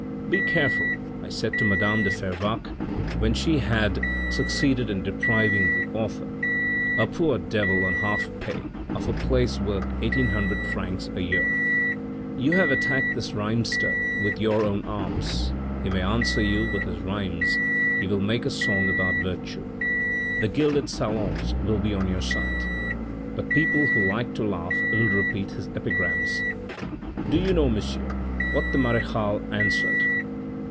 "' Be careful,' I said to madame de Fervaques when she had 4io THE RED AND THE BLACK succeeded in depriving the author, a poor devil on halt pay, of a place worth eighteen hundred francs a year, ' you have attacked this rhymster with your own arms, he may answer you with his rhymes ; he will make a song about virtue. The gilded salons will be on your side ; but people who like to laugh will repeat his epigrams.' Do you know, monsieur, what the merechale answered